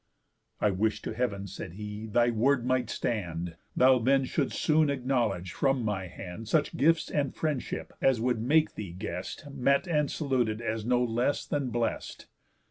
"I wish to heav'n," said he, "thy word might stand, Thou then shouldst soon acknowledge from my hand Such gifts and friendship, as would make thee, guest, Met and saluted as no less than blest."